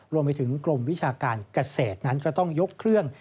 รวมไปถึงกรมวิชาการเกษตรนั้นก็ต้องยกเครื่อง